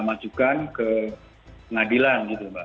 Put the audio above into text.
majukan ke pengadilan